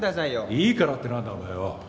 「いいから」ってなんだお前よ。